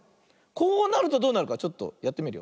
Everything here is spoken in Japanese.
こうなるとどうなるかちょっとやってみるよ。